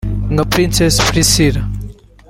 nka Princess Priscilla